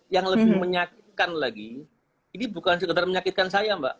yang lebih menyakitkan lagi ini bukan sekedar menyakitkan saya mbak